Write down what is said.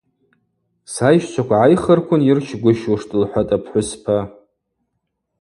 Сайщчваква гӏайхырквын уырщгвыщуштӏ, – лхӏватӏ апхӏвыспа.